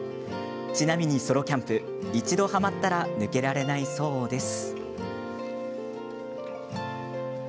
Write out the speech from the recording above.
ちなみにソロキャンプ一度はまったら抜けられないそうです。